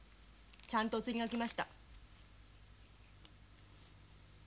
ちゃんとお釣りがきました。